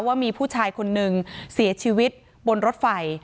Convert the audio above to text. ว่ามีผู้ชายคนนึงเสียชีวิตบนรถไฟ